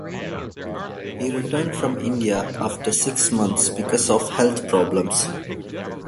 He returned from India after six months because of health problems.